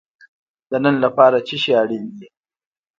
د نن لپاره څه شی اړین دی؟